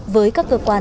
với các cơ quan